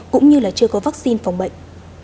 cũng như chưa có vaccine phòng bệnh